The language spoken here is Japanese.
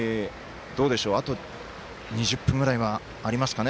あと２０分ぐらいはありますかね。